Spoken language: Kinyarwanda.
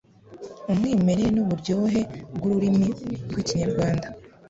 umwimerere n'uburyohe bw'ururimi rw'ikinyarwanda.